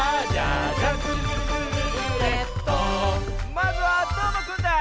まずはどーもくんだ！